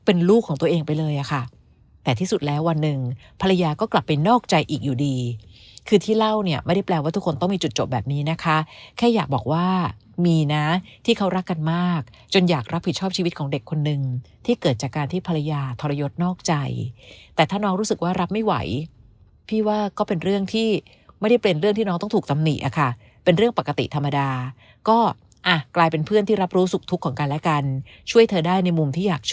แบบนี้นะคะแค่อยากบอกว่ามีนะที่เขารักกันมากจนอยากรับผิดชอบชีวิตของเด็กคนนึงที่เกิดจากการที่ภรรยาทรยศนอกใจแต่ถ้าน้องรู้สึกว่ารับไม่ไหวพี่ว่าก็เป็นเรื่องที่ไม่ได้เปลี่ยนเรื่องที่น้องต้องถูกสำนีอ่ะค่ะเป็นเรื่องปกติธรรมดาก็อ่ะกลายเป็นเพื่อนที่รับรู้สุขทุกของกันและกันช่วยเธอได้ในมุมที่อย